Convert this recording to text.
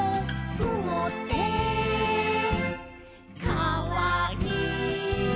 「くもってかわいい」